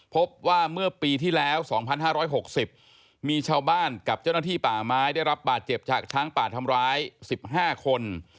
พบว่าเมื่อปีที่แล้ว๒๕๖๐มีชาวบ้านกับเจ้าหน้าที่ป่าไม้ได้รับบาดเจ็บจากช้างป่าทำร้าย๑๕คน